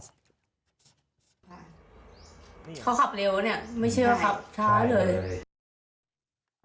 เขาขับเร็ววะเนี่ยไม่เชื่อขับช้าเลย